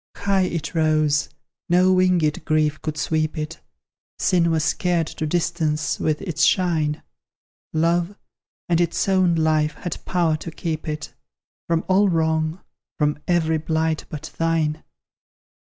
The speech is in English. High it rose no winged grief could sweep it; Sin was scared to distance with its shine; Love, and its own life, had power to keep it From all wrong from every blight but thine!